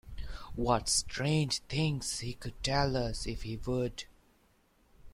What strange things he could tell us if he would!